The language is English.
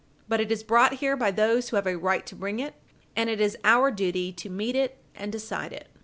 But it is brought here by those who have a right to bring it, and it is our duty to meet it and decide it.